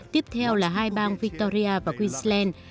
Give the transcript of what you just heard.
tiếp theo là hai bang victoria và queensland